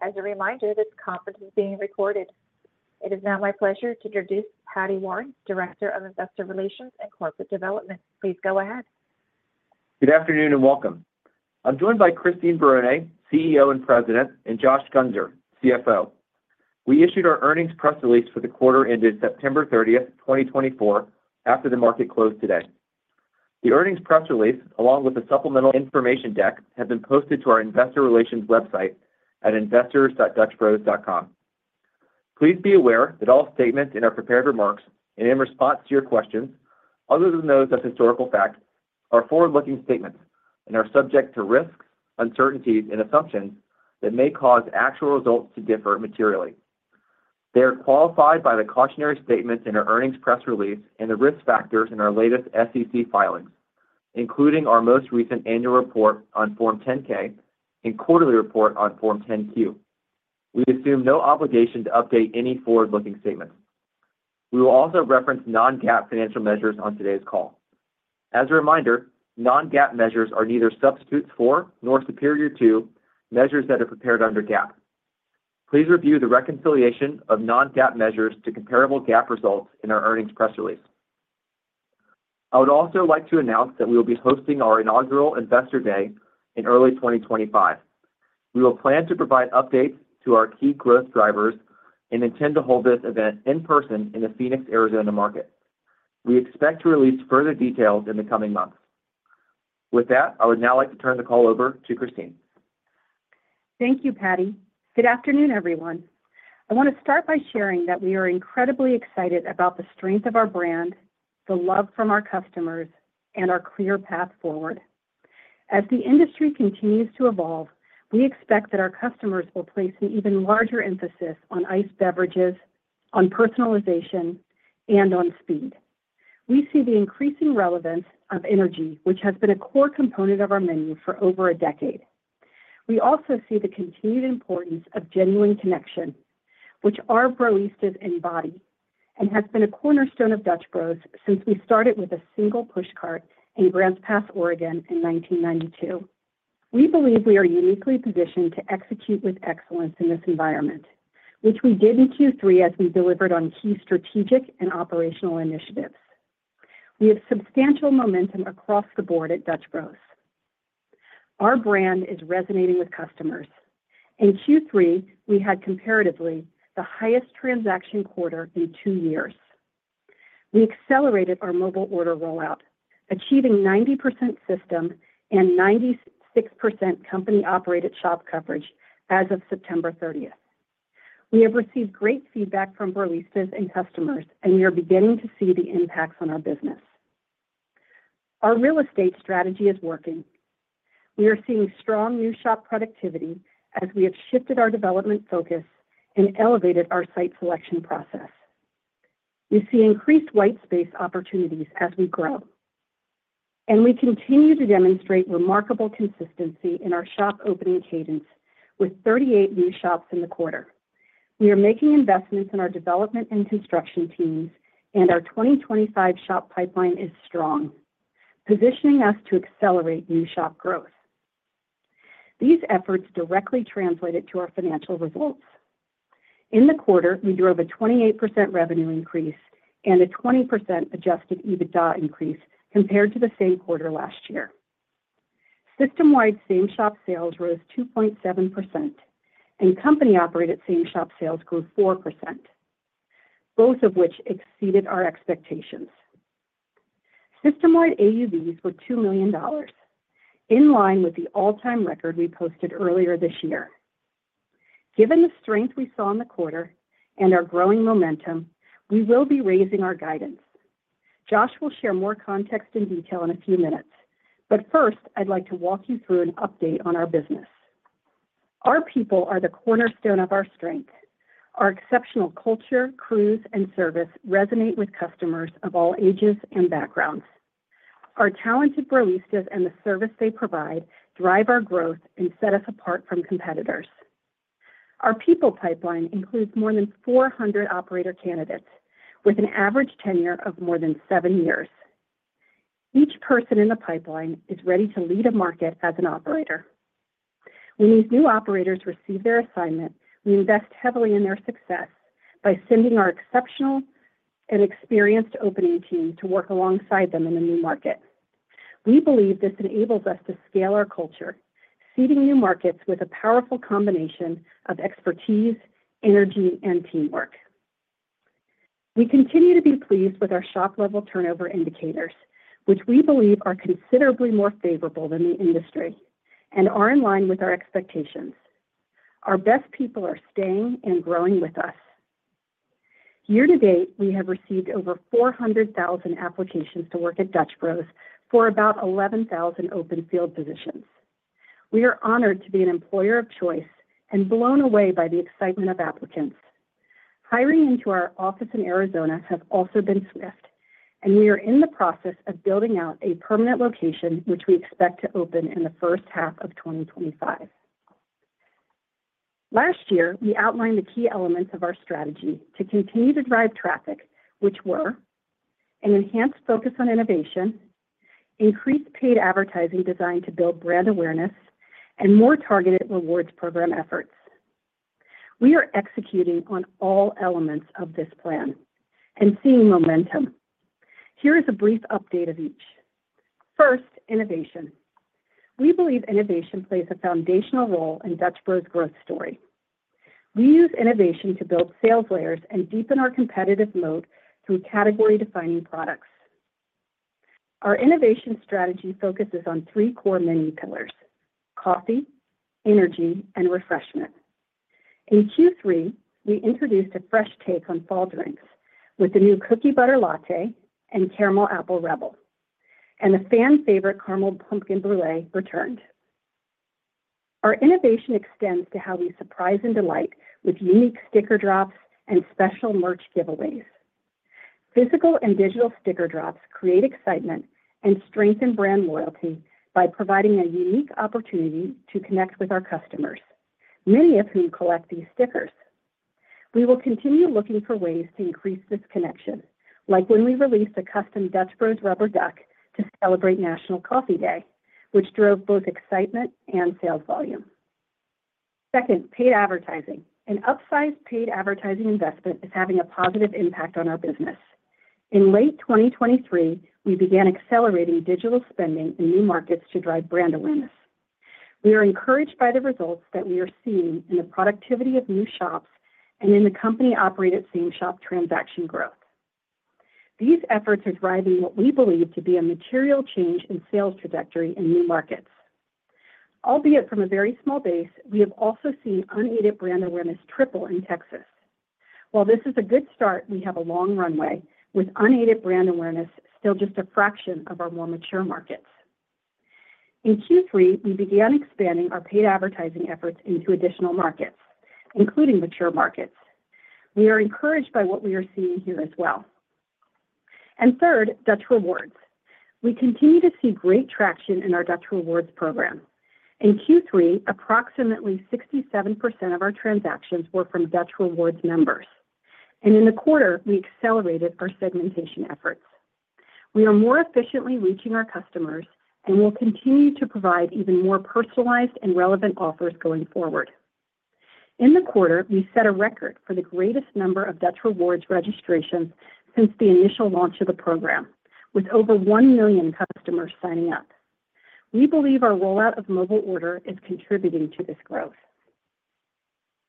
As a reminder, this conference is being recorded. It is now my pleasure to introduce Paddy Warren, Director of Investor Relations and Corporate Development. Please go ahead. Good afternoon and welcome. I'm joined by Christine Barone, CEO and President, and Josh Guenser, CFO. We issued our earnings press release for the quarter ended September 30, 2024, after the market closed today. The earnings press release, along with a supplemental information deck, has been posted to our investor relations website at investors.dutchbros.com. Please be aware that all statements in our prepared remarks and in response to your questions, other than those as historical fact, are forward-looking statements and are subject to risks, uncertainties, and assumptions that may cause actual results to differ materially. They are qualified by the cautionary statements in our earnings press release and the risk factors in our latest SEC filings, including our most recent annual report on Form 10-K and quarterly report on Form 10-Q. We assume no obligation to update any forward-looking statements. We will also reference non-GAAP financial measures on today's call. As a reminder, non-GAAP measures are neither substitutes for nor superior to measures that are prepared under GAAP. Please review the reconciliation of non-GAAP measures to comparable GAAP results in our earnings press release. I would also like to announce that we will be hosting our inaugural Investor Day in early 2025. We will plan to provide updates to our key growth drivers and intend to hold this event in person in the Phoenix, Arizona market. We expect to release further details in the coming months. With that, I would now like to turn the call over to Christine. Thank you, Paddy. Good afternoon, everyone. I want to start by sharing that we are incredibly excited about the strength of our brand, the love from our customers, and our clear path forward. As the industry continues to evolve, we expect that our customers will place an even larger emphasis on iced beverages, on personalization, and on speed. We see the increasing relevance of energy, which has been a core component of our menu for over a decade. We also see the continued importance of genuine connection, which our Broistas embody and has been a cornerstone of Dutch Bros since we started with a single push cart in Grants Pass, Oregon, in 1992. We believe we are uniquely positioned to execute with excellence in this environment, which we did in Q3 as we delivered on key strategic and operational initiatives. We have substantial momentum across the board at Dutch Bros. Our brand is resonating with customers. In Q3, we had comparatively the highest transaction quarter in two years. We accelerated our mobile order rollout, achieving 90% system and 96% company-operated shop coverage as of September 30. We have received great feedback from Broistas and customers, and we are beginning to see the impacts on our business. Our real estate strategy is working. We are seeing strong new shop productivity as we have shifted our development focus and elevated our site selection process. We see increased white space opportunities as we grow, and we continue to demonstrate remarkable consistency in our shop opening cadence with 38 new shops in the quarter. We are making investments in our development and construction teams, and our 2025 shop pipeline is strong, positioning us to accelerate new shop growth. These efforts directly translated to our financial results. In the quarter, we drove a 28% revenue increase and a 20% adjusted EBITDA increase compared to the same quarter last year. System-wide, same shop sales rose 2.7%, and company-operated same shop sales grew 4%, both of which exceeded our expectations. System-wide, AUVs were $2 million, in line with the all-time record we posted earlier this year. Given the strength we saw in the quarter and our growing momentum, we will be raising our guidance. Josh will share more context in detail in a few minutes, but first, I'd like to walk you through an update on our business. Our people are the cornerstone of our strength. Our exceptional culture, crews, and service resonate with customers of all ages and backgrounds. Our talented Broistas and the service they provide drive our growth and set us apart from competitors. Our people pipeline includes more than 400 operator candidates with an average tenure of more than seven years. Each person in the pipeline is ready to lead a market as an operator. When these new operators receive their assignment, we invest heavily in their success by sending our exceptional and experienced opening team to work alongside them in the new market. We believe this enables us to scale our culture, seeding new markets with a powerful combination of expertise, energy, and teamwork. We continue to be pleased with our shop-level turnover indicators, which we believe are considerably more favorable than the industry and are in line with our expectations. Our best people are staying and growing with us. Year to date, we have received over 400,000 applications to work at Dutch Bros for about 11,000 open field positions. We are honored to be an employer of choice and blown away by the excitement of applicants. Hiring into our office in Arizona has also been swift, and we are in the process of building out a permanent location, which we expect to open in the first half of 2025. Last year, we outlined the key elements of our strategy to continue to drive traffic, which were an enhanced focus on innovation, increased paid advertising designed to build brand awareness, and more targeted rewards program efforts. We are executing on all elements of this plan and seeing momentum. Here is a brief update of each. First, innovation. We believe innovation plays a foundational role in Dutch Bros' growth story. We use innovation to build sales layers and deepen our competitive moat through category-defining products. Our innovation strategy focuses on three core menu pillars: coffee, energy, and refreshment. In Q3, we introduced a fresh take on fall drinks with the new Cookie Butter Latte and Caramel Apple Rebel, and the fan-favorite Caramel Pumpkin Brulée returned. Our innovation extends to how we surprise and delight with unique sticker drops and special merch giveaways. Physical and digital sticker drops create excitement and strengthen brand loyalty by providing a unique opportunity to connect with our customers, many of whom collect these stickers. We will continue looking for ways to increase this connection, like when we released a custom Dutch Bros rubber duck to celebrate National Coffee Day, which drove both excitement and sales volume. Second, paid advertising. An upsized paid advertising investment is having a positive impact on our business. In late 2023, we began accelerating digital spending in new markets to drive brand awareness. We are encouraged by the results that we are seeing in the productivity of new shops and in the company-operated same shop transaction growth. These efforts are driving what we believe to be a material change in sales trajectory in new markets. Albeit from a very small base, we have also seen unaided brand awareness triple in Texas. While this is a good start, we have a long runway, with unaided brand awareness still just a fraction of our more mature markets. In Q3, we began expanding our paid advertising efforts into additional markets, including mature markets. We are encouraged by what we are seeing here as well. And third, Dutch Rewards. We continue to see great traction in our Dutch Rewards program. In Q3, approximately 67% of our transactions were from Dutch Rewards members. And in the quarter, we accelerated our segmentation efforts. We are more efficiently reaching our customers and will continue to provide even more personalized and relevant offers going forward. In the quarter, we set a record for the greatest number of Dutch Rewards registrations since the initial launch of the program, with over 1 million customers signing up. We believe our rollout of mobile order is contributing to this growth.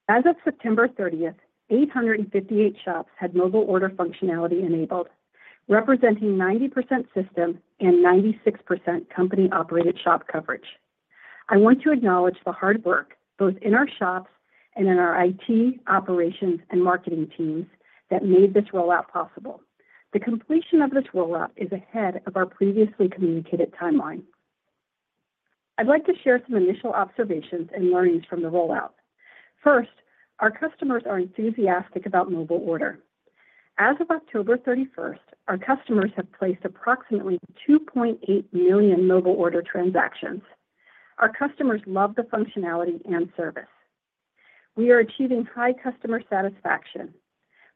As of September 30, 858 shops had mobile order functionality enabled, representing 90% system and 96% company-operated shop coverage. I want to acknowledge the hard work both in our shops and in our IT operations and marketing teams that made this rollout possible. The completion of this rollout is ahead of our previously communicated timeline. I'd like to share some initial observations and learnings from the rollout. First, our customers are enthusiastic about mobile order. As of October 31, our customers have placed approximately 2.8 million mobile order transactions. Our customers love the functionality and service. We are achieving high customer satisfaction,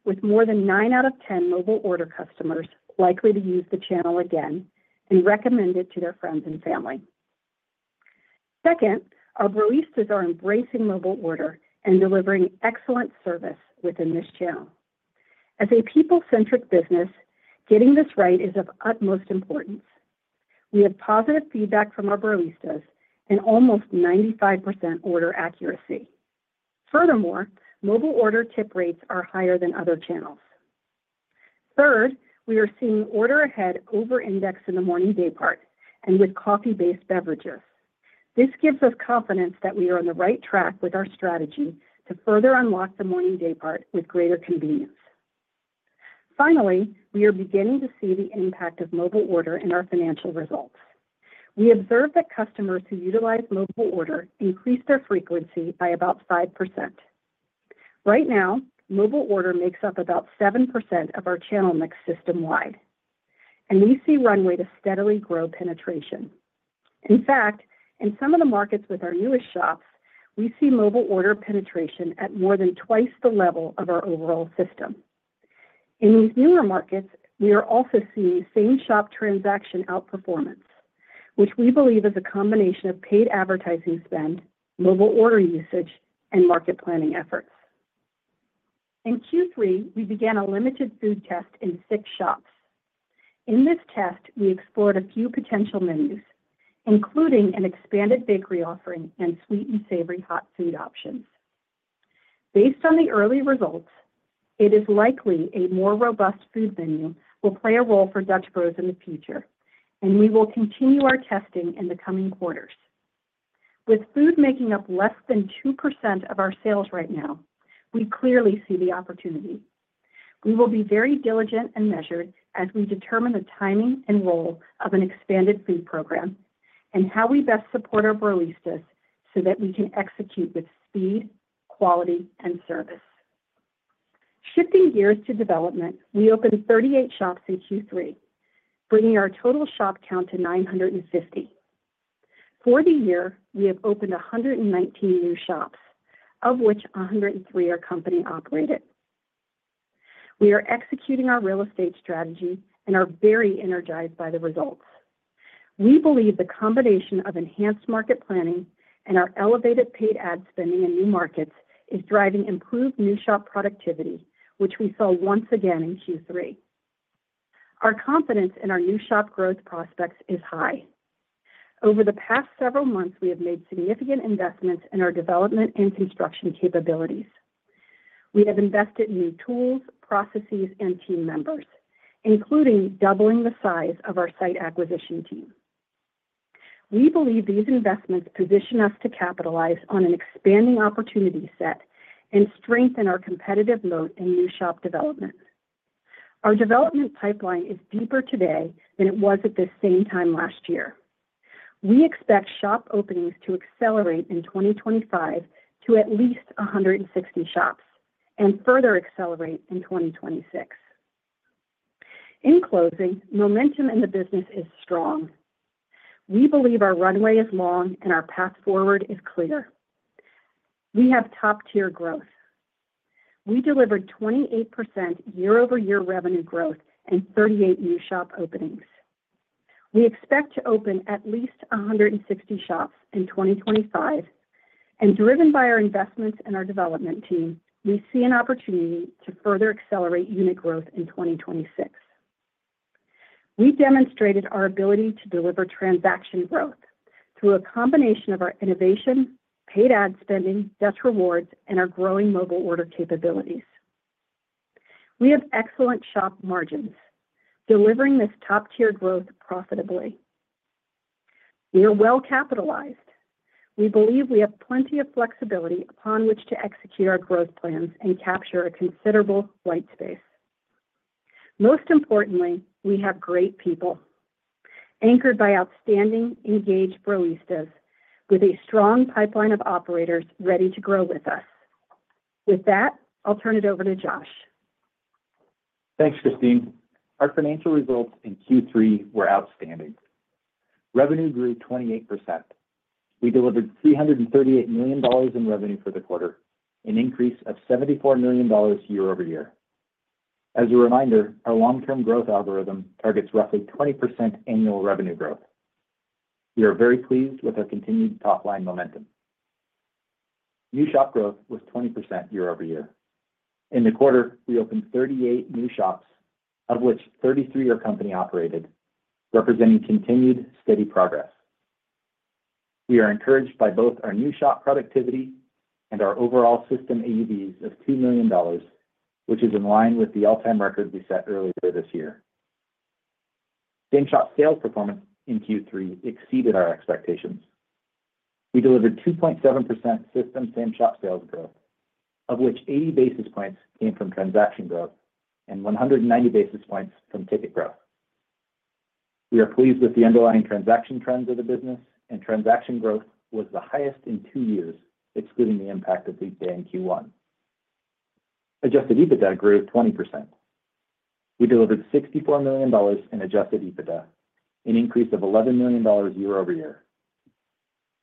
with more than 9/10 mobile order customers likely to use the channel again and recommend it to their friends and family. Second, our Broistas are embracing mobile order and delivering excellent service within this channel. As a people-centric business, getting this right is of utmost importance. We have positive feedback from our Broistas and almost 95% order accuracy. Furthermore, mobile order tip rates are higher than other channels. Third, we are seeing order ahead over-index in the morning day part and with coffee-based beverages. This gives us confidence that we are on the right track with our strategy to further unlock the morning day part with greater convenience. Finally, we are beginning to see the impact of mobile order in our financial results. We observe that customers who utilize mobile order increased their frequency by about 5%. Right now, mobile order makes up about 7% of our channel mix system-wide, and we see runway to steadily grow penetration. In fact, in some of the markets with our newest shops, we see mobile order penetration at more than twice the level of our overall system. In these newer markets, we are also seeing same shop transaction outperformance, which we believe is a combination of paid advertising spend, mobile order usage, and market planning efforts. In Q3, we began a limited food test in six shops. In this test, we explored a few potential menus, including an expanded bakery offering and sweet and savory hot food options. Based on the early results, it is likely a more robust food menu will play a role for Dutch Bros in the future, and we will continue our testing in the coming quarters. With food making up less than 2% of our sales right now, we clearly see the opportunity. We will be very diligent and measured as we determine the timing and role of an expanded food program and how we best support our Broistas so that we can execute with speed, quality, and service. Shifting gears to development, we opened 38 shops in Q3, bringing our total shop count to 950. For the year, we have opened 119 new shops, of which 103 are company-operated. We are executing our real estate strategy and are very energized by the results. We believe the combination of enhanced market planning and our elevated paid ad spending in new markets is driving improved new shop productivity, which we saw once again in Q3. Our confidence in our new shop growth prospects is high. Over the past several months, we have made significant investments in our development and construction capabilities. We have invested in new tools, processes, and team members, including doubling the size of our site acquisition team. We believe these investments position us to capitalize on an expanding opportunity set and strengthen our competitive moat in new shop development. Our development pipeline is deeper today than it was at this same time last year. We expect shop openings to accelerate in 2025 to at least 160 shops and further accelerate in 2026. In closing, momentum in the business is strong. We believe our runway is long and our path forward is clear. We have top-tier growth. We delivered 28% year-over-year revenue growth and 38 new shop openings. We expect to open at least 160 shops in 2025, and driven by our investments and our development team, we see an opportunity to further accelerate unit growth in 2026. We demonstrated our ability to deliver transaction growth through a combination of our innovation, paid ad spending, Dutch Rewards, and our growing Mobile Order capabilities. We have excellent shop margins, delivering this top-tier growth profitably. We are well capitalized. We believe we have plenty of flexibility upon which to execute our growth plans and capture a considerable white space. Most importantly, we have great people anchored by outstanding, engaged Broistas with a strong pipeline of operators ready to grow with us. With that, I'll turn it over to Josh. Thanks, Christine. Our financial results in Q3 were outstanding. Revenue grew 28%. We delivered $338 million in revenue for the quarter, an increase of $74 million year-over-year. As a reminder, our long-term growth algorithm targets roughly 20% annual revenue growth. We are very pleased with our continued top-line momentum. New shop growth was 20% year-over-year. In the quarter, we opened 38 new shops, of which 33 are company-operated, representing continued steady progress. We are encouraged by both our new shop productivity and our overall system AUVs of $2 million, which is in line with the all-time record we set earlier this year. Same shop sales performance in Q3 exceeded our expectations. We delivered 2.7% system same shop sales growth, of which 80 basis points came from transaction growth and 190 basis points from ticket growth. We are pleased with the underlying transaction trends of the business, and transaction growth was the highest in two years, excluding the impact of weekday in Q1. Adjusted EBITDA grew 20%. We delivered $64 million in adjusted EBITDA, an increase of $11 million year-over-year.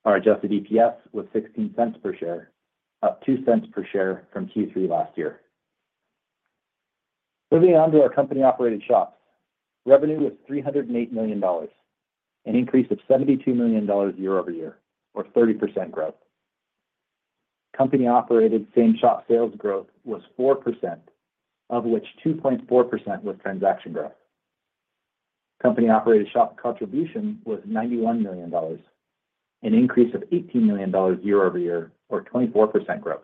Our adjusted EPS was $0.16 per share, up $0.02 per share from Q3 last year. Moving on to our company-operated shops, revenue was $308 million, an increase of $72 million year-over-year, or 30% growth. Company-operated same shop sales growth was 4%, of which 2.4% was transaction growth. Company-operated shop contribution was $91 million, an increase of $18 million year-over-year, or 24% growth.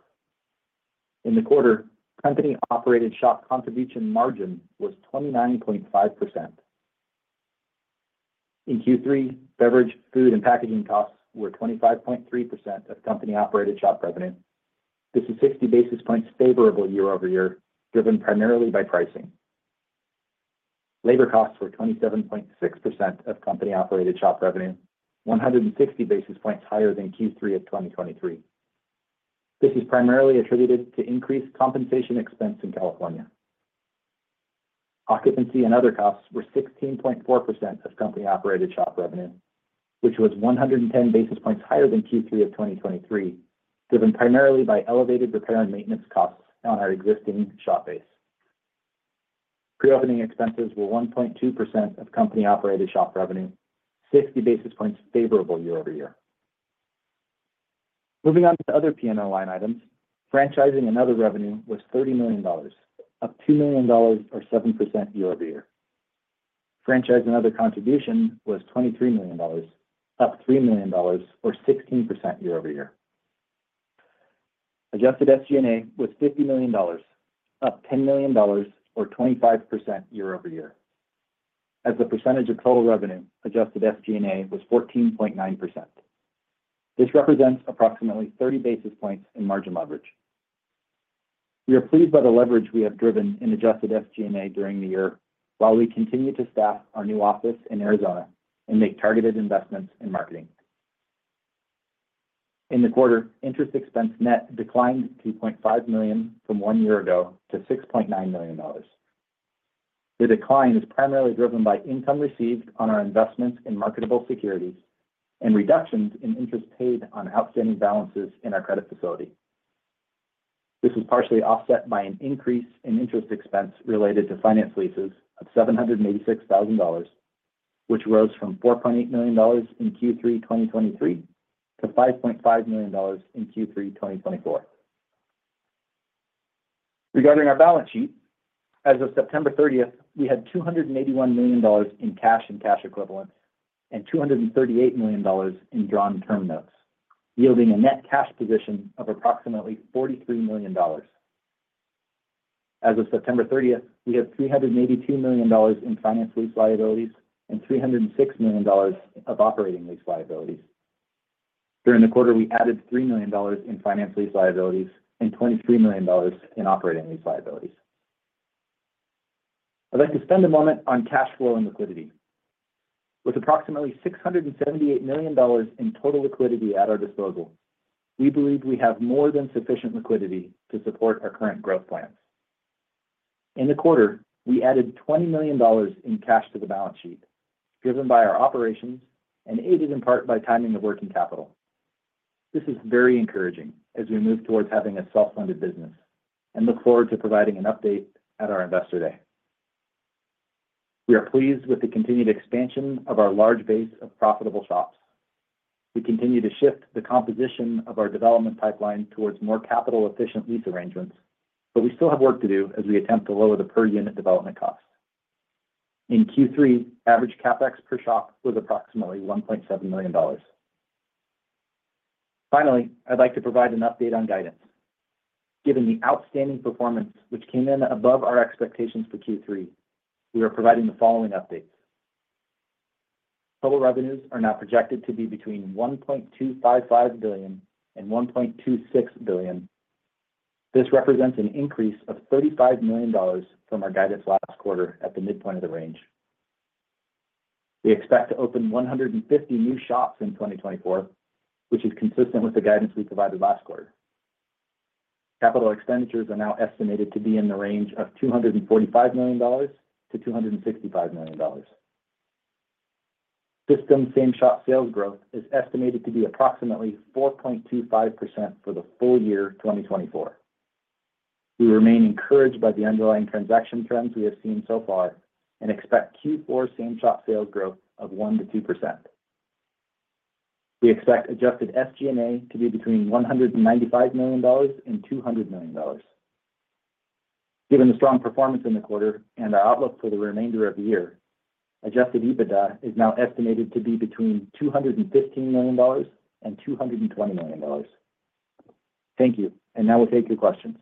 In the quarter, company-operated shop contribution margin was 29.5%. In Q3, beverage, food, and packaging costs were 25.3% of company-operated shop revenue. This is 60 basis points favorable year-over-year, driven primarily by pricing. Labor costs were 27.6% of company-operated shop revenue, 160 basis points higher than Q3 of 2023. This is primarily attributed to increased compensation expense in California. Occupancy and other costs were 16.4% of company-operated shop revenue, which was 110 basis points higher than Q3 of 2023, driven primarily by elevated repair and maintenance costs on our existing shop base. Pre-opening expenses were 1.2% of company-operated shop revenue, 60 basis points favorable year-over-year. Moving on to other P&L line items, franchising and other revenue was $30 million, up $2 million, or 7% year-over-year. Franchise and other contribution was $23 million, up $3 million, or 16% year-over-year. Adjusted SG&A was $50 million, up $10 million, or 25% year-over-year. As the percentage of total revenue, adjusted SG&A was 14.9%. This represents approximately 30 basis points in margin leverage. We are pleased by the leverage we have driven in adjusted SG&A during the year while we continue to staff our new office in Arizona and make targeted investments in marketing. In the quarter, interest expense net declined $2.5 million from one year ago to $6.9 million. The decline is primarily driven by income received on our investments in marketable securities and reductions in interest paid on outstanding balances in our credit facility. This was partially offset by an increase in interest expense related to finance leases of $786,000, which rose from $4.8 million in Q3 2023 to $5.5 million in Q3 2024. Regarding our balance sheet, as of September 30, we had $281 million in cash and cash equivalents and $238 million in drawn term notes, yielding a net cash position of approximately $43 million. As of September 30, we had $382 million in finance lease liabilities and $306 million of operating lease liabilities. During the quarter, we added $3 million in finance lease liabilities and $23 million in operating lease liabilities. I'd like to spend a moment on cash flow and liquidity. With approximately $678 million in total liquidity at our disposal, we believe we have more than sufficient liquidity to support our current growth plans. In the quarter, we added $20 million in cash to the balance sheet, driven by our operations and aided in part by timing of working capital. This is very encouraging as we move towards having a self-funded business and look forward to providing an update at our investor day. We are pleased with the continued expansion of our large base of profitable shops. We continue to shift the composition of our development pipeline towards more capital-efficient lease arrangements, but we still have work to do as we attempt to lower the per-unit development costs. In Q3, average CapEx per shop was approximately $1.7 million. Finally, I'd like to provide an update on guidance. Given the outstanding performance, which came in above our expectations for Q3, we are providing the following updates. Total revenues are now projected to be between $1.255 billion and $1.26 billion. This represents an increase of $35 million from our guidance last quarter at the midpoint of the range. We expect to open 150 new shops in 2024, which is consistent with the guidance we provided last quarter. Capital expenditures are now estimated to be in the range of $245-$265 million. System same shop sales growth is estimated to be approximately 4.25% for the full year 2024. We remain encouraged by the underlying transaction trends we have seen so far and expect Q4 same shop sales growth of 1%-2%. We expect Adjusted SG&A to be between $195 million-$200 million. Given the strong performance in the quarter and our outlook for the remainder of the year, Adjusted EBITDA is now estimated to be between $215 million and $220 million. Thank you, and now we'll take your questions.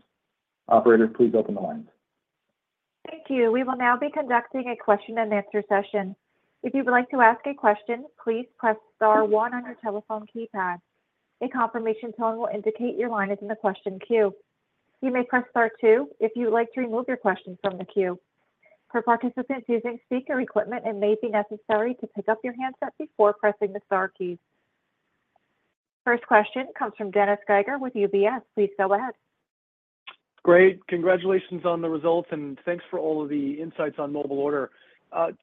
Operator, please open the lines. Thank you. We will now be conducting a question-and-answer session. If you would like to ask a question, please press star one on your telephone keypad. A confirmation tone will indicate your line is in the question queue. You may press star two if you would like to remove your question from the queue. For participants using speaker equipment, it may be necessary to pick up your handset before pressing the star keys. First question comes from Dennis Geiger with UBS. Please go ahead. Great. Congratulations on the results, and thanks for all of the insights on mobile order.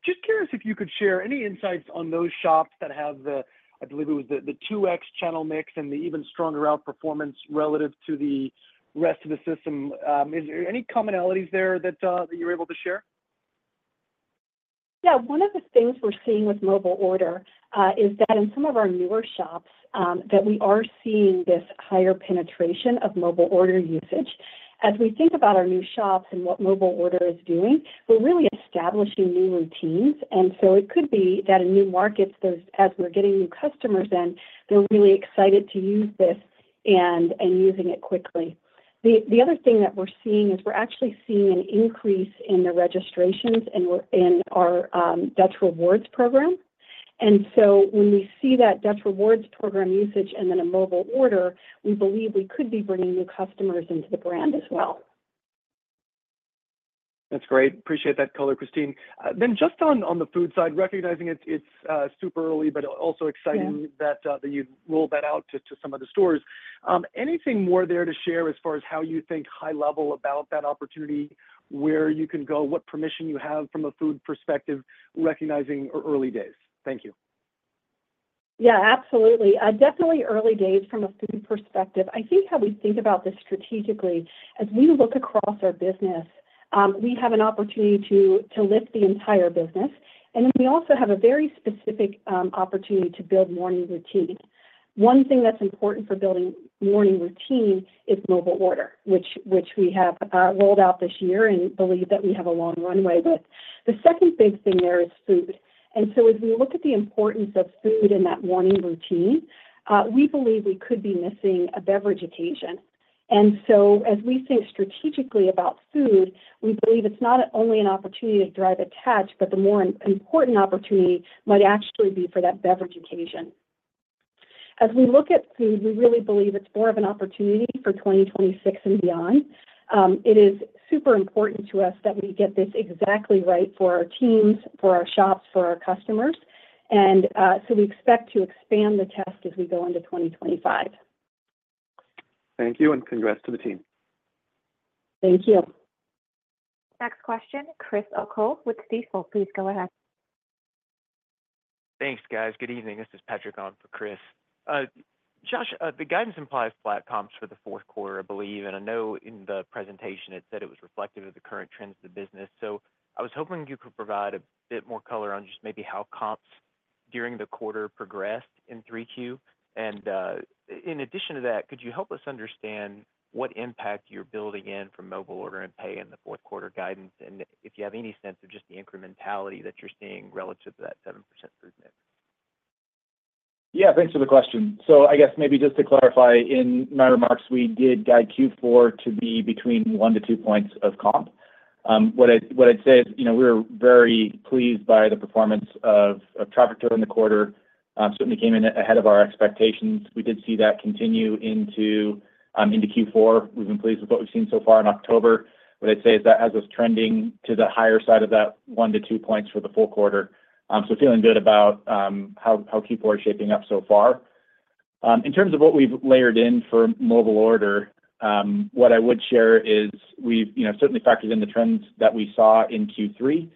Just curious if you could share any insights on those shops that have the, I believe it was the 2X channel mix and the even stronger outperformance relative to the rest of the system. Is there any commonalities there that you're able to share? Yeah. One of the things we're seeing with mobile order is that in some of our newer shops, we are seeing this higher penetration of mobile order usage. As we think about our new shops and what mobile order is doing, we're really establishing new routines, and so it could be that in new markets, as we're getting new customers in, they're really excited to use this and using it quickly. The other thing that we're seeing is we're actually seeing an increase in the registrations in our Dutch Rewards program. And so when we see that Dutch Rewards program usage and then a mobile order, we believe we could be bringing new customers into the brand as well. That's great. Appreciate that color, Christine. Then just on the food side, recognizing it's super early, but also exciting that you've rolled that out to some of the stores. Anything more there to share as far as how you think high level about that opportunity, where you can go, what permission you have from a food perspective, recognizing early days? Thank you. Yeah, absolutely. Definitely early days from a food perspective. I think how we think about this strategically, as we look across our business, we have an opportunity to lift the entire business, and then we also have a very specific opportunity to build morning routine. One thing that's important for building morning routine is mobile order, which we have rolled out this year and believe that we have a long runway with. The second big thing there is food. And so as we look at the importance of food in that morning routine, we believe we could be missing a beverage occasion. And so as we think strategically about food, we believe it's not only an opportunity to drive a touch, but the more important opportunity might actually be for that beverage occasion. As we look at food, we really believe it's more of an opportunity for 2026 and beyond. It is super important to us that we get this exactly right for our teams, for our shops, for our customers. And so we expect to expand the test as we go into 2025. Thank you, and congrats to the team. Thank you. Next question, Patrick with Stifel. Please go ahead. Thanks, guys. Good evening. This is Patrick on for Chris. Josh, the guidance implies flat comps for the fourth quarter, I believe, and I know in the presentation it said it was reflective of the current trends of the business. So I was hoping you could provide a bit more color on just maybe how comps during the quarter progressed in Q3. And in addition to that, could you help us understand what impact you're building in from mobile order and pay in the fourth quarter guidance, and if you have any sense of just the incrementality that you're seeing relative to that 7% improvement? Yeah, thanks for the question. So I guess maybe just to clarify, in my remarks, we did guide Q4 to be between one to two points of comp. What I'd say is we were very pleased by the performance of traffic during the quarter. Certainly came in ahead of our expectations. We did see that continue into Q4. We've been pleased with what we've seen so far in October. What I'd say is that as it's trending to the higher side of that one to two points for the full quarter, so feeling good about how Q4 is shaping up so far. In terms of what we've layered in for mobile order, what I would share is we've certainly factored in the trends that we saw in Q3.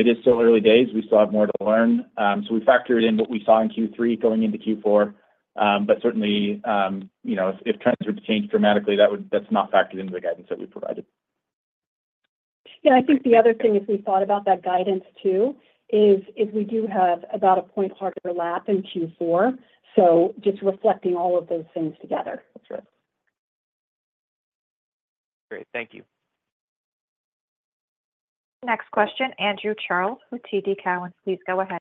It is still early days. We still have more to learn. So we factored in what we saw in Q3 going into Q4, but certainly if trends were to change dramatically, that's not factored into the guidance that we provided. Yeah, I think the other thing is we thought about that guidance too is we do have about a point harder lap in Q4, so just reflecting all of those things together. That's right. Great. Thank you. Next question, Andrew Charles with TD Cowen. Please go ahead.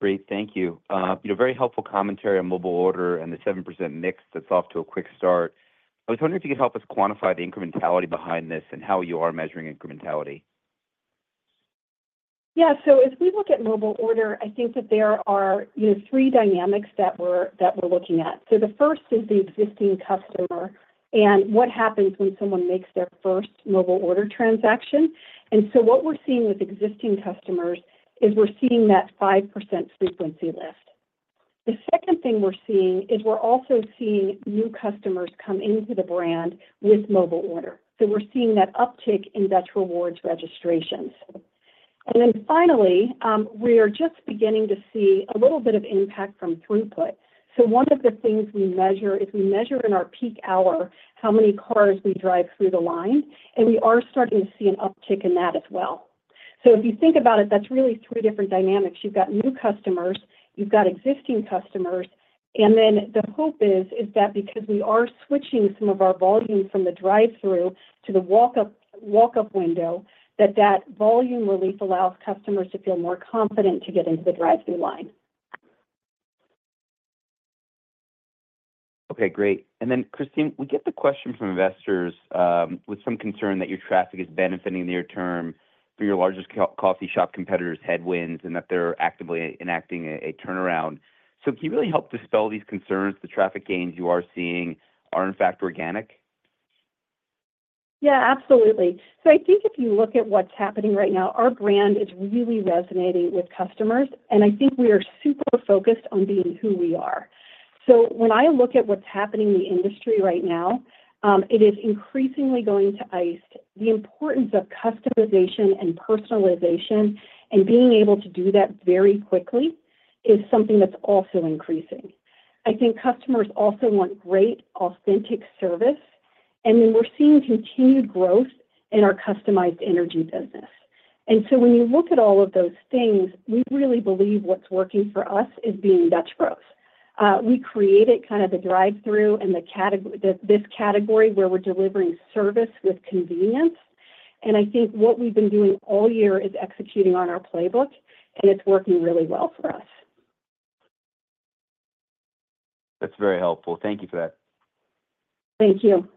Great. Thank you. Very helpful commentary on mobile order and the 7% mix that's off to a quick start. I was wondering if you could help us quantify the incrementality behind this and how you are measuring incrementality. Yeah. So as we look at mobile order, I think that there are three dynamics that we're looking at. So the first is the existing customer and what happens when someone makes their first mobile order transaction. And so what we're seeing with existing customers is we're seeing that 5% frequency lift. The second thing we're seeing is we're also seeing new customers come into the brand with Mobile Order. So we're seeing that uptick in Dutch Rewards registrations. And then finally, we are just beginning to see a little bit of impact from throughput. So one of the things we measure is we measure in our peak hour how many cars we drive through the line, and we are starting to see an uptick in that as well. So if you think about it, that's really three different dynamics. You've got new customers, you've got existing customers, and then the hope is that because we are switching some of our volume from the drive-thru to the walk-up window, that that volume relief allows customers to feel more confident to get into the drive-thru line. Okay, great. And then, Christine, we get the question from investors with some concern that your traffic is benefiting in the near term from your largest coffee shop competitors' headwinds, and that they're actively enacting a turnaround. So can you really help dispel these concerns? The traffic gains you are seeing are, in fact, organic? Yeah, absolutely. So I think if you look at what's happening right now, our brand is really resonating with customers, and I think we are super focused on being who we are. So when I look at what's happening in the industry right now, it is increasingly going to iced. The importance of customization and personalization and being able to do that very quickly is something that's also increasing. I think customers also want great authentic service, and then we're seeing continued growth in our customized energy business. And so when you look at all of those things, we really believe what's working for us is being Dutch Bros. We created kind of the drive-thru and this category where we're delivering service with convenience. And I think what we've been doing all year is executing on our playbook, and it's working really well for us. That's very helpful. Thank you for that. Thank you.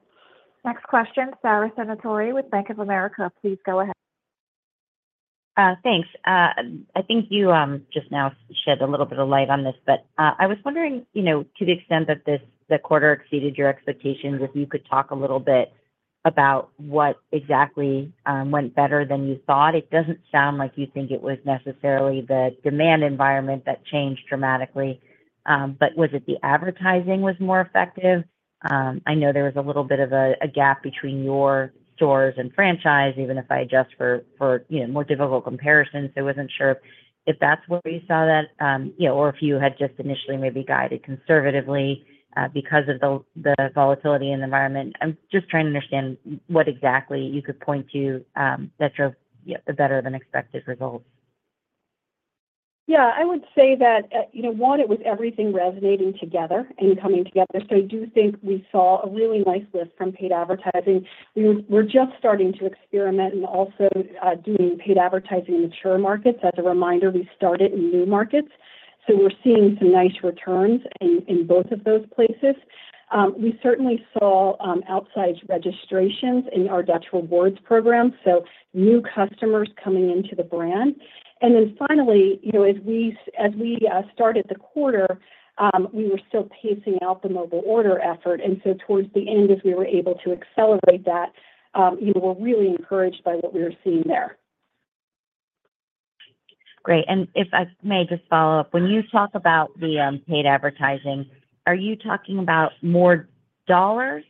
Next question, Sara Senatore with Bank of America. Please go ahead. Thanks. I think you just now shed a little bit of light on this, but I was wondering to the extent that the quarter exceeded your expectations, if you could talk a little bit about what exactly went better than you thought. It doesn't sound like you think it was necessarily the demand environment that changed dramatically, but was it the advertising that was more effective? I know there was a little bit of a gap between your stores and franchise, even if I adjust for more difficult comparisons. I wasn't sure if that's where you saw that or if you had just initially maybe guided conservatively because of the volatility in the environment. I'm just trying to understand what exactly you could point to that drove better-than-expected results. Yeah. I would say that, one, it was everything resonating together and coming together. So I do think we saw a really nice lift from paid advertising. We're just starting to experiment and also doing paid advertising in mature markets. As a reminder, we started in new markets, so we're seeing some nice returns in both of those places. We certainly saw outsized registrations in our Dutch Rewards program, so new customers coming into the brand. And then finally, as we started the quarter, we were still pacing out the mobile order effort. And so towards the end, as we were able to accelerate that, we're really encouraged by what we were seeing there. Great. And if I may just follow up, when you talk about the paid advertising, are you talking about more dollars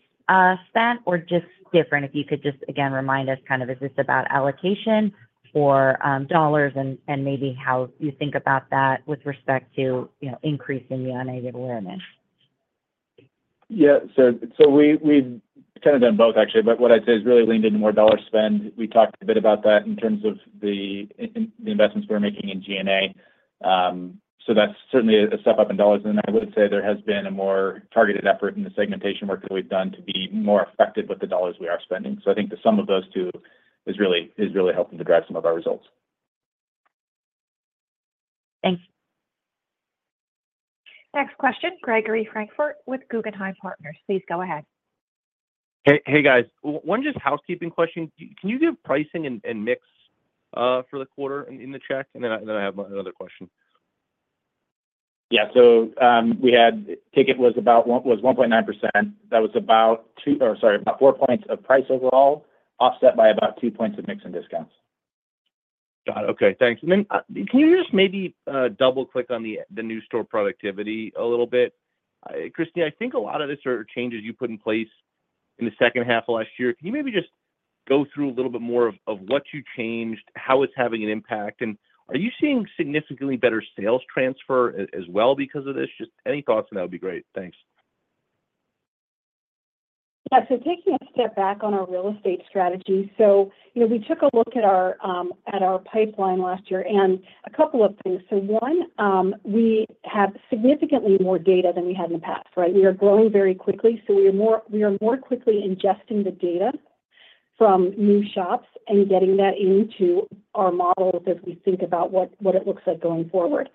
spent or just different? If you could just, again, remind us kind of is this about allocation or dollars and maybe how you think about that with respect to increasing the unaided awareness. Yeah. So we've kind of done both, actually, but what I'd say is really leaned into more dollar spend. We talked a bit about that in terms of the investments we're making in G&A. So that's certainly a step up in dollars. And then I would say there has been a more targeted effort in the segmentation work that we've done to be more effective with the dollars we are spending. So I think the sum of those two is really helping to drive some of our results. Thanks. Next question, Gregory Francfort with Guggenheim Partners. Please go ahead. Hey, guys. One just housekeeping question. Can you give pricing and mix for the quarter in the chat? And then I have another question. Yeah. So we had ticket was 1.9%. That was about two or sorry, about four points of price overall, offset by about two points of mix and discounts. Got it. Okay. Thanks. And then can you just maybe double-click on the new store productivity a little bit? Christine, I think a lot of this are changes you put in place in the second half of last year. Can you maybe just go through a little bit more of what you changed, how it's having an impact, and are you seeing significantly better sales transfer as well because of this? Just any thoughts on that would be great. Thanks. Yeah. So taking a step back on our real estate strategy, so we took a look at our pipeline last year and a couple of things. So one, we have significantly more data than we had in the past, right? We are growing very quickly, so we are more quickly ingesting the data from new shops and getting that into our models as we think about what it looks like going forward.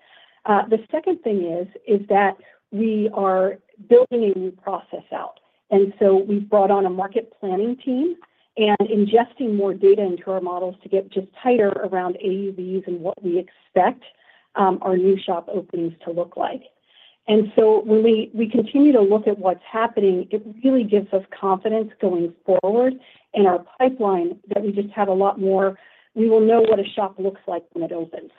The second thing is that we are building a new process out. And so we've brought on a market planning team and ingesting more data into our models to get just tighter around AUVs and what we expect our new shop openings to look like. And so when we continue to look at what's happening, it really gives us confidence going forward in our pipeline that we just have a lot more we will know what a shop looks like when it opens.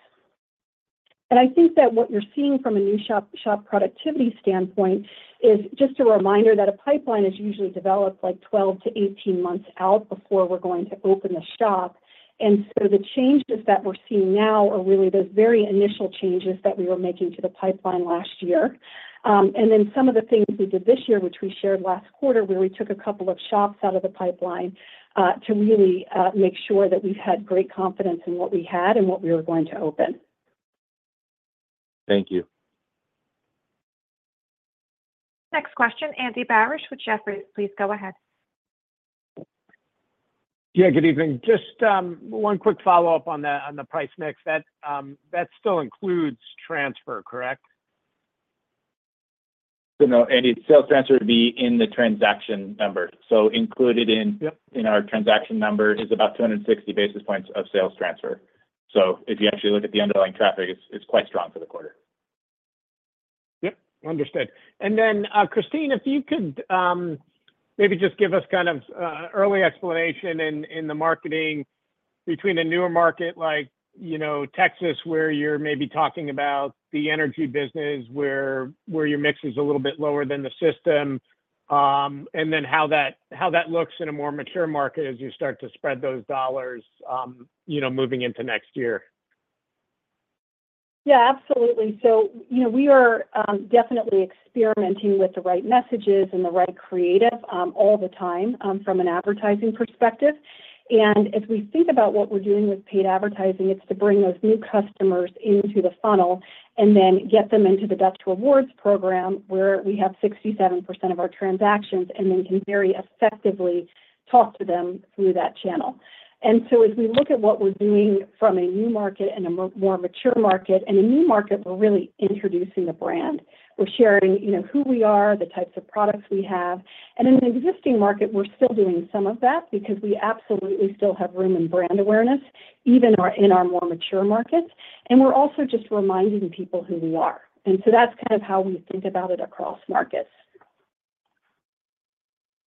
And I think that what you're seeing from a new shop productivity standpoint is just a reminder that a pipeline is usually developed like 12 months-18 months out before we're going to open the shop. And so the changes that we're seeing now are really those very initial changes that we were making to the pipeline last year. And then some of the things we did this year, which we shared last quarter, where we took a couple of shops out of the pipeline to really make sure that we've had great confidence in what we had and what we were going to open. Thank you. Next question, Andy Barish with Jefferies. Please go ahead. Yeah. Good evening. Just one quick follow-up on the price mix. That still includes transfer, correct? So no, Andy, sales transfer would be in the transaction number. So included in our transaction number is about 260 basis points of sales transfer. So if you actually look at the underlying traffic, it's quite strong for the quarter. Yeah. Understood. And then, Christine, if you could maybe just give us kind of an early explanation in the marketing between a newer market like Texas where you're maybe talking about the energy business, where your mix is a little bit lower than the system, and then how that looks in a more mature market as you start to spread those dollars moving into next year? Yeah, absolutely. So we are definitely experimenting with the right messages and the right creative all the time from an advertising perspective. And as we think about what we're doing with paid advertising, it's to bring those new customers into the funnel and then get them into the Dutch Rewards program where we have 67% of our transactions and then can very effectively talk to them through that channel. And so as we look at what we're doing from a new market and a more mature market, in a new market, we're really introducing the brand. We're sharing who we are, the types of products we have. And in an existing market, we're still doing some of that because we absolutely still have room in brand awareness, even in our more mature markets. And we're also just reminding people who we are. And so that's kind of how we think about it across markets.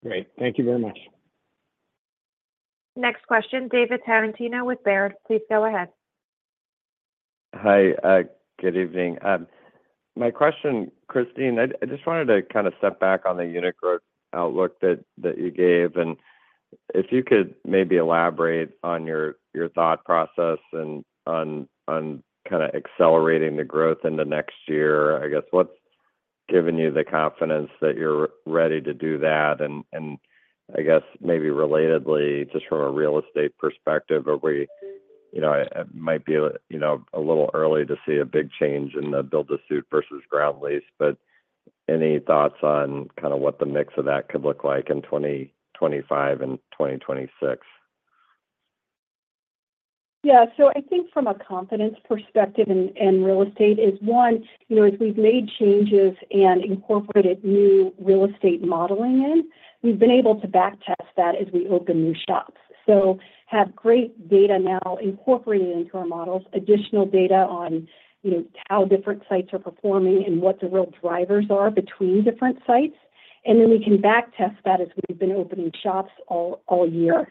Great. Thank you very much. Next question, David Tarantino with Baird. Please go ahead. Hi. Good evening. My question, Christine, I just wanted to kind of step back on the unit growth outlook that you gave. And if you could maybe elaborate on your thought process and on kind of accelerating the growth in the next year, I guess what's given you the confidence that you're ready to do that? And I guess maybe relatedly, just from a real estate perspective, it might be a little early to see a big change in the build-to-suit versus ground lease. But any thoughts on kind of what the mix of that could look like in 2025 and 2026? Yeah. So I think from a confidence perspective in real estate is, one, as we've made changes and incorporated new real estate modeling in, we've been able to backtest that as we open new shops. So have great data now incorporated into our models, additional data on how different sites are performing, and what the real drivers are between different sites. Then we can backtest that as we've been opening shops all year.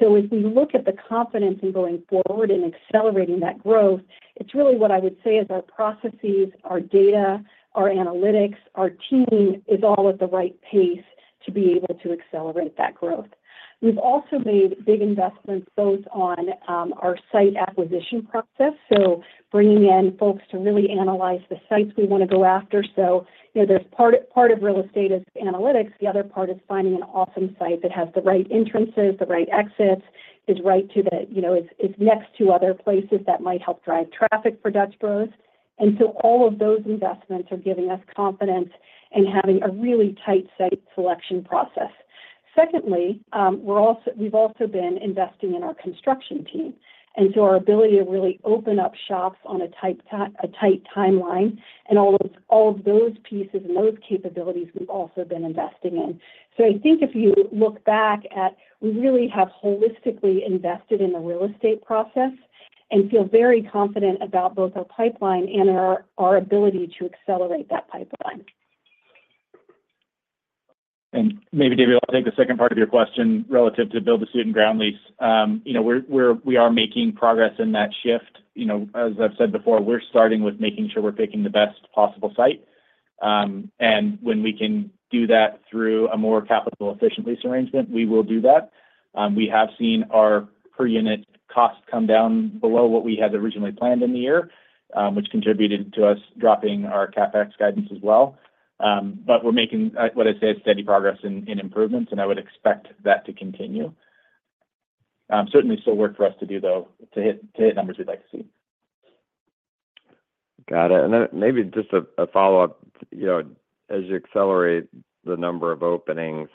So as we look at the confidence in going forward and accelerating that growth, it's really what I would say is our processes, our data, our analytics, our team is all at the right pace to be able to accelerate that growth. We've also made big investments both on our site acquisition process, so bringing in folks to really analyze the sites we want to go after. So there's part of real estate is analytics. The other part is finding an awesome site that has the right entrances, the right exits, is right next to other places that might help drive traffic for Dutch Bros. And so all of those investments are giving us confidence in having a really tight site selection process. Secondly, we've also been investing in our construction team. And so our ability to really open up shops on a tight timeline and all of those pieces and those capabilities we've also been investing in. So I think if you look back at, we really have holistically invested in the real estate process and feel very confident about both our pipeline and our ability to accelerate that pipeline. And maybe, David, I'll take the second part of your question relative to build-to-suit and ground lease. We are making progress in that shift. As I've said before, we're starting with making sure we're picking the best possible site. And when we can do that through a more capital-efficient lease arrangement, we will do that. We have seen our per-unit cost come down below what we had originally planned in the year, which contributed to us dropping our CapEx guidance as well. But we're making, what I'd say, steady progress in improvements, and I would expect that to continue. Certainly, still work for us to do, though, to hit numbers we'd like to see. Got it. And then maybe just a follow-up. As you accelerate the number of openings,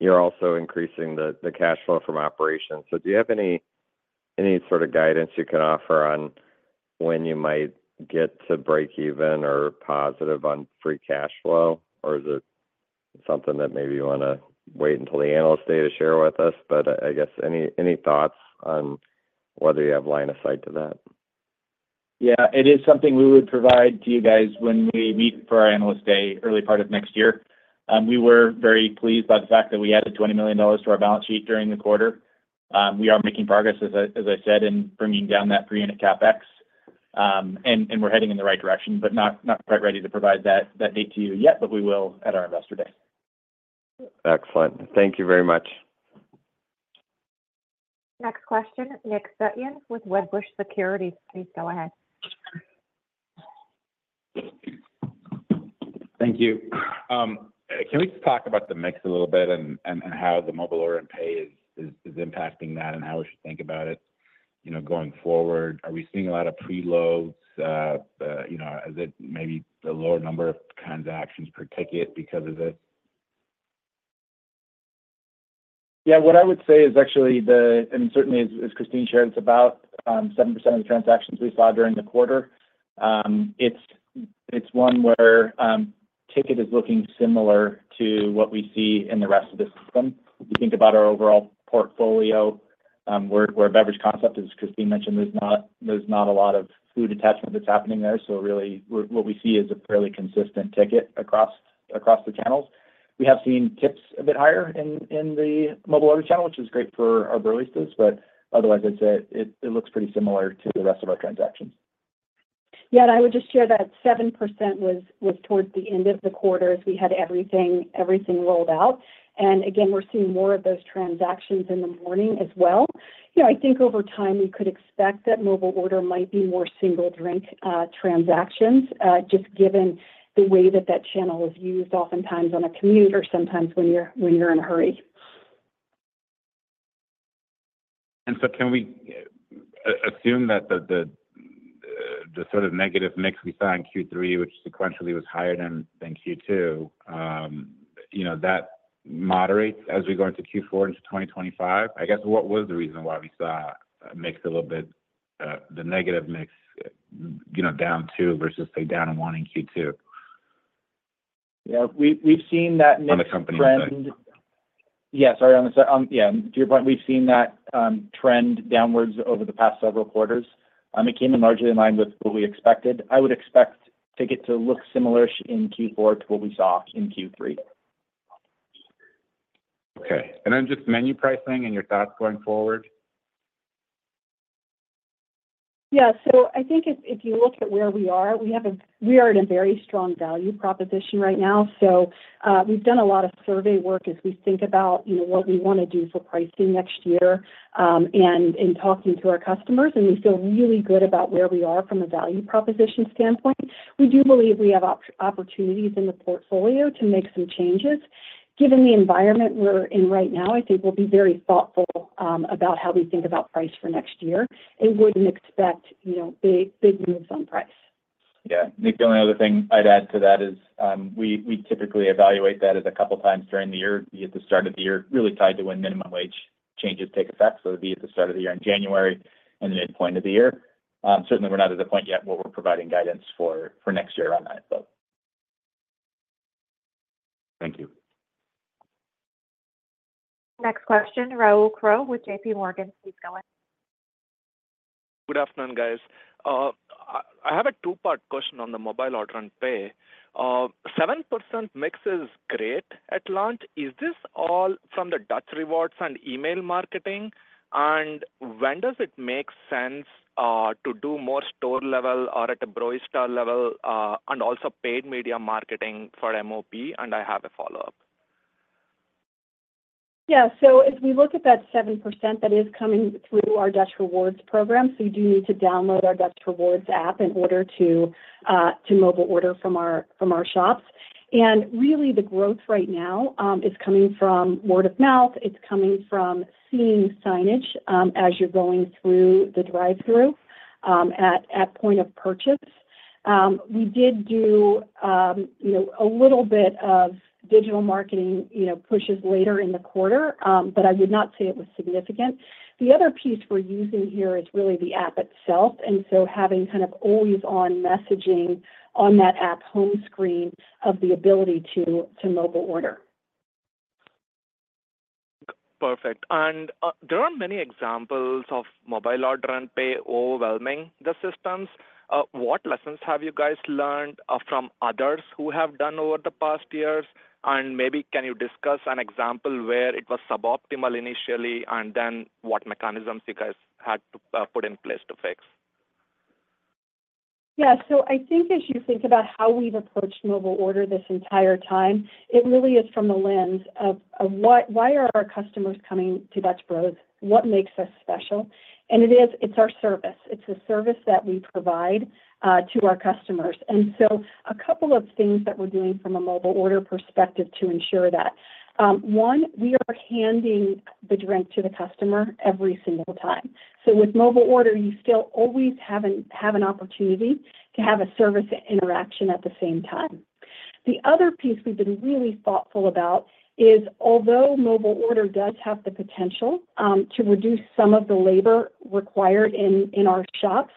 you're also increasing the cash flow from operations. So do you have any sort of guidance you can offer on when you might get to break even or positive on free cash flow? Or is it something that maybe you want to wait until the analysts day to share with us? But I guess any thoughts on whether you have line of sight to that? Yeah. It is something we would provide to you guys when we meet for our analyst day early part of next year. We were very pleased by the fact that we added $20 million to our balance sheet during the quarter. We are making progress, as I said, in bringing down that per-unit CapEx. And we're heading in the right direction, but not quite ready to provide that date to you yet, but we will at our investor day. Excellent. Thank you very much. Next question, Nick Setyan with Wedbush Securities. Please go ahead. Thank you. Can we just talk about the mix a little bit and how the mobile order and pay is impacting that, and how we should think about it going forward? Are we seeing a lot of preloads? Is it maybe the lower number of transactions per ticket because of this? Yeah. What I would say is actually the, I mean, certainly, as Christine shared, it's about 7% of the transactions we saw during the quarter. It's one where ticket is looking similar to what we see in the rest of the system. If you think about our overall portfolio, where beverage concept, as Christine mentioned, there's not a lot of food attachment that's happening there. So really, what we see is a fairly consistent ticket across the channels. We have seen tips a bit higher in the mobile order channel, which is great for our Broistas, but otherwise, I'd say it looks pretty similar to the rest of our transactions. Yeah, and I would just share that 7% was towards the end of the quarter as we had everything rolled out. And again, we're seeing more of those transactions in the morning as well. I think over time, we could expect that mobile order might be more single drink transactions just given the way that that channel is used oftentimes on a commute or sometimes when you're in a hurry. And so can we assume that the sort of negative mix we saw in Q3, which sequentially was higher than Q2, that moderates as we go into Q4 into 2025? I guess what was the reason why we saw a mix a little bit, the negative mix down to versus, say, down to one in Q2? Yeah. We've seen that mix trend. On the company side. Yeah. Sorry. Yeah. To your point, we've seen that trend downwards over the past several quarters. It came in largely in line with what we expected. I would expect ticket to look similar in Q4 to what we saw in Q3. Okay. And then just menu pricing and your thoughts going forward? Yeah. So I think if you look at where we are, we are at a very strong value proposition right now. So we've done a lot of survey work as we think about what we want to do for pricing next year, and in talking to our customers. And we feel really good about where we are from a value proposition standpoint. We do believe we have opportunities in the portfolio to make some changes. Given the environment we're in right now, I think we'll be very thoughtful about how we think about price for next year. I wouldn't expect big moves on price. Yeah. The only other thing I'd add to that is we typically evaluate that a couple of times during the year, at the start of the year, really tied to when minimum wage changes take effect. So it'd be at the start of the year in January and the midpoint of the year. Certainly, we're not at the point yet where we're providing guidance for next year on that, but. Thank you. Next question, Rahul Krotthapalli with JPMorgan. Please go ahead. Good afternoon, guys. I have a two-part question on the mobile order and pay. 7% mix is great at launch. Is this all from the Dutch Rewards and email marketing? And when does it make sense to do more store-level or at a Broista level, and also paid media marketing for MOP? And I have a follow-up. Yeah. So as we look at that 7%, that is coming through our Dutch Rewards program. So you do need to download our Dutch Rewards app in order to mobile order from our shops. And really, the growth right now is coming from word of mouth. It's coming from seeing signage as you're going through the drive-through at point of purchase. We did do a little bit of digital marketing pushes later in the quarter, but I would not say it was significant. The other piece we're using here is really the app itself. And so having kind of always-on messaging on that app home screen of the ability to mobile order. Perfect. And there are many examples of mobile order and pay overwhelming the systems. What lessons have you guys learned from others who have done over the past years? And maybe can you discuss an example where it was suboptimal initially and then what mechanisms you guys had to put in place to fix? Yeah. So I think as you think about how we've approached mobile order this entire time, it really is from the lens of why are our customers coming to Dutch Bros? What makes us special? And it's our service. It's the service that we provide to our customers. And so a couple of things that we're doing from a mobile order perspective to ensure that. One, we are handing the drink to the customer every single time. So with mobile order, you still always have an opportunity to have a service interaction at the same time. The other piece we've been really thoughtful about is, although mobile order does have the potential to reduce some of the labor required in our shops,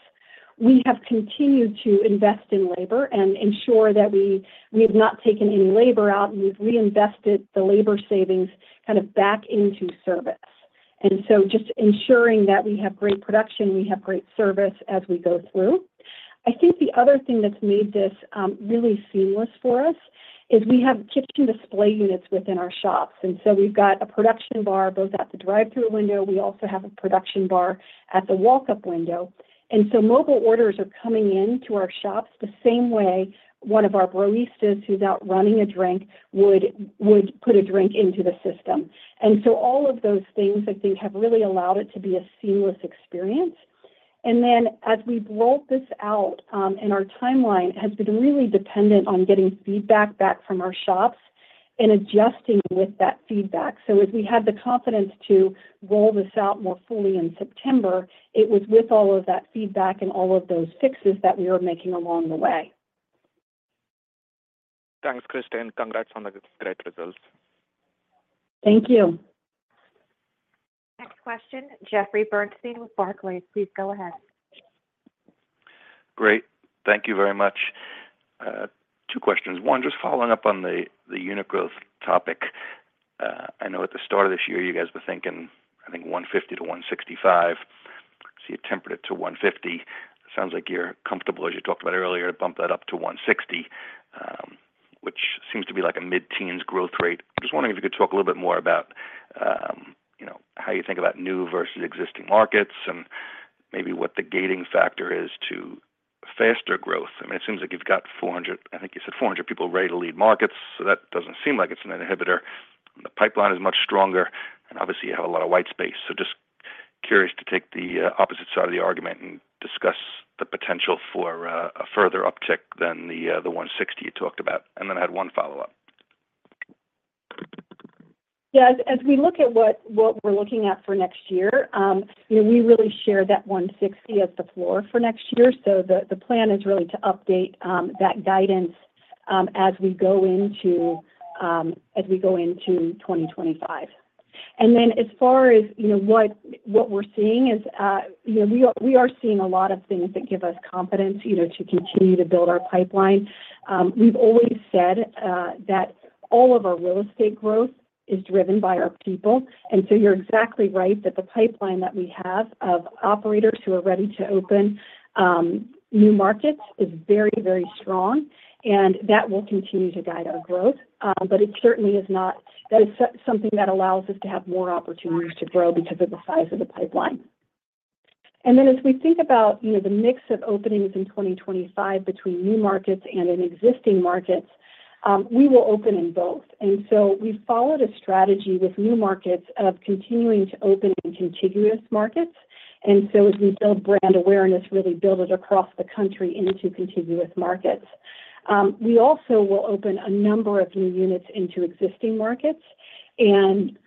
we have continued to invest in labor and ensure that we have not taken any labor out and we've reinvested the labor savings kind of back into service. And so just ensuring that we have great production, we have great service as we go through. I think the other thing that's made this really seamless for us is we have kitchen display units within our shops. And so we've got a production bar both at the drive-through window. We also have a production bar at the walk-up window. And so mobile orders are coming into our shops the same way one of our Broistas who's out running a drink would put a drink into the system. And so all of those things, I think, have really allowed it to be a seamless experience. And then as we've rolled this out, and our timeline has been really dependent on getting feedback back from our shops and adjusting with that feedback. So as we had the confidence to roll this out more fully in September, it was with all of that feedback and all of those fixes that we were making along the way. Thanks, Christine. Congrats on the great results. Thank you. Next question, Jeffrey Bernstein with Barclays. Please go ahead. Great. Thank you very much. Two questions. One, just following up on the unit growth topic. I know at the start of this year, you guys were thinking, I think, 150-165. See a tempered rate to 150. It sounds like you're comfortable, as you talked about earlier, to bump that up to 160, which seems to be like a mid-teens growth rate. I'm just wondering if you could talk a little bit more about how you think about new versus existing markets and maybe what the gating factor is to faster growth. I mean, it seems like you've got 400, I think you said 400 people ready to lead markets. So that doesn't seem like it's an inhibitor. The pipeline is much stronger. And obviously, you have a lot of white space. So just curious to take the opposite side of the argument and discuss the potential for a further uptick than the 160 you talked about. And then I had one follow-up. Yeah. As we look at what we're looking at for next year, we really share that 160 as the floor for next year. So the plan is really to update that guidance as we go into 2025. And then as far as what we're seeing is we are seeing a lot of things that give us confidence to continue to build our pipeline. We've always said that all of our real estate growth is driven by our people, and so you're exactly right that the pipeline that we have of operators who are ready to open new markets is very, very strong, and that will continue to guide our growth, but it certainly is not. That is something that allows us to have more opportunities to grow because of the size of the pipeline, and then as we think about the mix of openings in 2025 between new markets and existing markets, we will open in both, and so we've followed a strategy with new markets of continuing to open in contiguous markets, and so as we build brand awareness, really build it across the country into contiguous markets. We also will open a number of new units into existing markets. And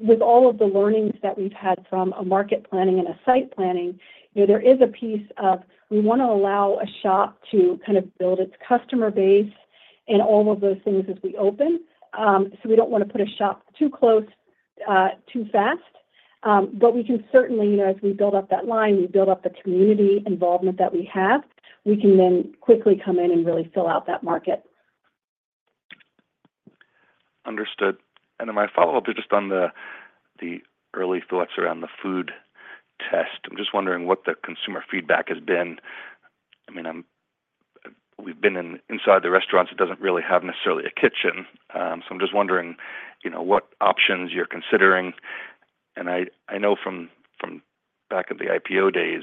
with all of the learnings that we've had from a market planning and a site planning, there is a piece of we want to allow a shop to kind of build its customer base and all of those things as we open. So we don't want to put a shop too close too fast. But we can certainly, as we build up that line, we build up the community involvement that we have, we can then quickly come in and really fill out that market. Understood. And then my follow-up is just on the early thoughts around the food test. I'm just wondering what the consumer feedback has been. I mean, we've been inside the restaurants. It doesn't really have necessarily a kitchen. So I'm just wondering what options you're considering. And I know from back of the IPO days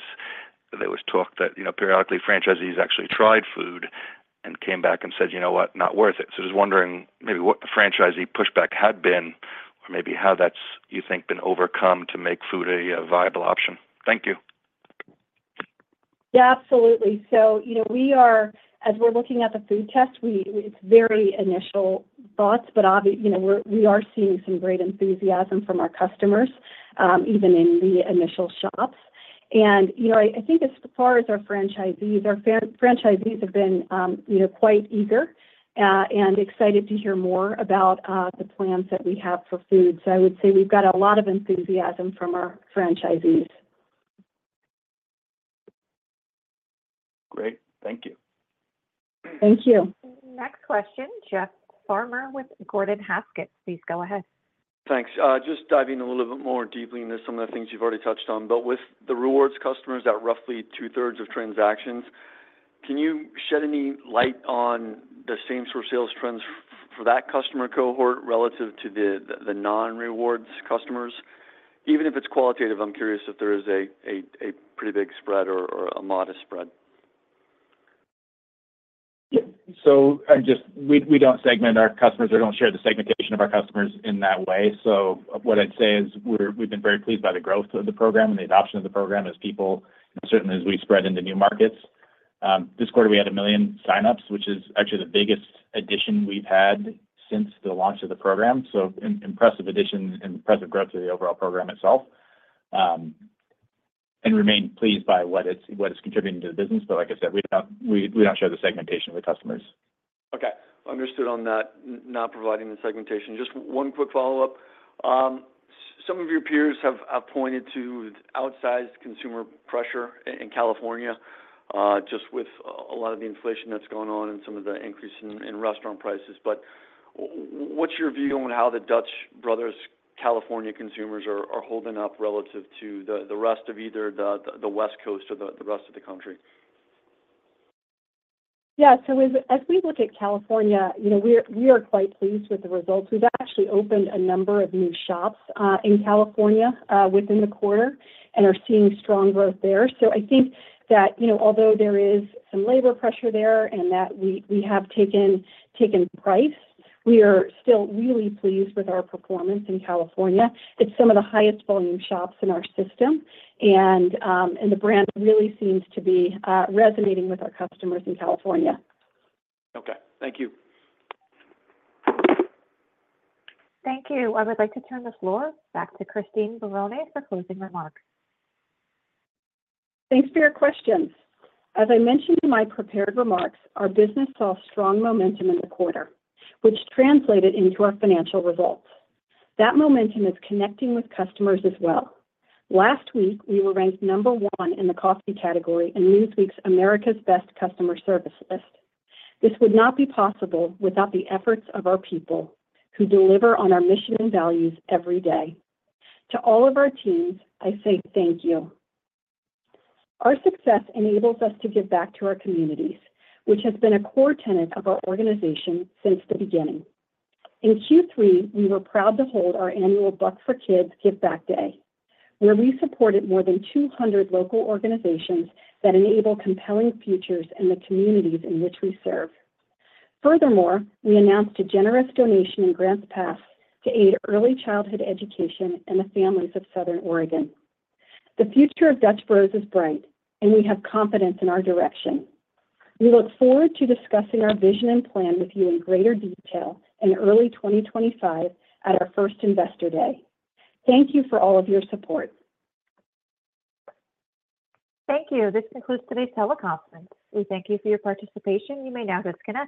that there was talk that periodically franchisees actually tried food and came back and said, "You know what? Not worth it." So just wondering maybe what the franchisee pushback had been or maybe how that's, you think, been overcome to make food a viable option. Thank you. Yeah. Absolutely. So as we're looking at the food test, it's very initial thoughts, but we are seeing some great enthusiasm from our customers, even in the initial shops. And I think as far as our franchisees, our franchisees have been quite eager and excited to hear more about the plans that we have for food. So I would say we've got a lot of enthusiasm from our franchisees. Great. Thank you. Thank you. Next question, Jeff Farmer with Gordon Haskett. Please go ahead. Thanks Just diving a little bit more deeply into some of the things you've already touched on. But with the rewards customers at roughly two-thirds of transactions, can you shed any light on the same sort of sales trends for that customer cohort relative to the non-rewards customers? Even if it's qualitative, I'm curious if there is a pretty big spread or a modest spread. So we don't segment our customers. We don't share the segmentation of our customers in that way. So what I'd say is we've been very pleased by the growth of the program and the adoption of the program as people, and certainly as we spread into new markets. This quarter, we had a million sign-ups, which is actually the biggest addition we've had since the launch of the program. So impressive addition and impressive growth to the overall program itself. And remained pleased by what it's contributing to the business. But like I said, we don't share the segmentation with customers. Okay. Understood on that, not providing the segmentation. Just one quick follow-up. Some of your peers have pointed to outsized consumer pressure in California just with a lot of the inflation that's going on and some of the increase in restaurant prices. But what's your view on how the Dutch Bros California consumers are holding up relative to the rest of either the West Coast or the rest of the country? Yeah. So as we look at California, we are quite pleased with the results. We've actually opened a number of new shops in California within the quarter and are seeing strong growth there. So I think that although there is some labor pressure there and that we have taken price, we are still really pleased with our performance in California. It's some of the highest volume shops in our system. And the brand really seems to be resonating with our customers in California. Okay. Thank you. Thank you. I would like to turn the floor back to Christine Barone for closing remarks. Thanks for your questions. As I mentioned in my prepared remarks, our business saw strong momentum in the quarter, which translated into our financial results. That momentum is connecting with customers as well. Last week, we were ranked number one in the coffee category in Newsweek's America's Best Customer Service list. This would not be possible without the efforts of our people who deliver on our mission and values every day. To all of our teams, I say thank you. Our success enables us to give back to our communities, which has been a core tenet of our organization since the beginning. In Q3, we were proud to hold our annual Buck for Kids give back day, where we supported more than 200 local organizations that enable compelling futures in the communities in which we serve. Furthermore, we announced a generous donation in Grants Pass to aid early childhood education in the families of Southern Oregon. The future of Dutch Bros is bright, and we have confidence in our direction. We look forward to discussing our vision and plan with you in greater detail in early 2025 at our first investor day. Thank you for all of your support. Thank you. This concludes today's teleconference. We thank you for your participation. You may now disconnect.